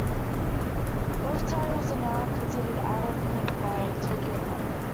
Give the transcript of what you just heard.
Both titles are now considered "out of print" by Tokyopop.